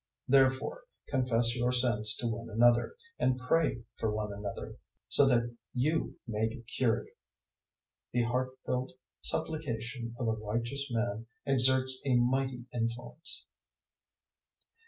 005:016 Therefore confess your sins to one another, and pray for one another, so that you may be cured. The heartfelt supplication of a righteous man exerts a mighty influence.